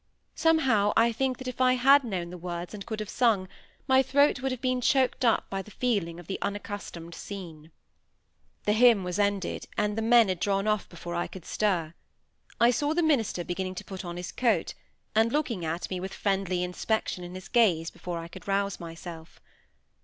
Somehow, I think that if I had known the words, and could have sung, my throat would have been choked up by the feeling of the unaccustomed scene. The hymn was ended, and the men had drawn off before I could stir. I saw the minister beginning to put on his coat, and looking at me with friendly inspection in his gaze, before I could rouse myself.